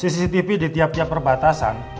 cctv di tiap tiap perbatasan